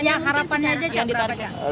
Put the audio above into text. jadi harapannya aja yang diharapkan